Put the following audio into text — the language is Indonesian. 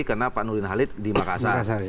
karena pak nurin halid di makassar